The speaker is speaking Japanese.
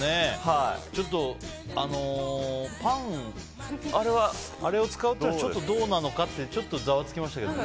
ちょっと、パンあれを使うっていうのはちょっとどうなのかってざわつきましたけどね。